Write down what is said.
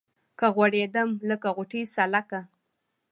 که غوړېدم لکه غوټۍ سالکه